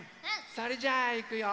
それじゃあいくよ！